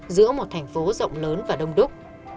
giữa một thành phố rộng lớn và đông đúc